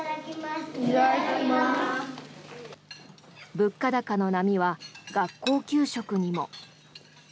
物価高の波は学校給食にも。